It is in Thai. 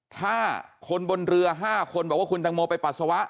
ถ้าคนบนเรือ๕คนบอกว่าคุณตังโมไปปัสสาวะ